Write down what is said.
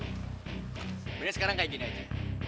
sebenarnya sekarang kayak gini aja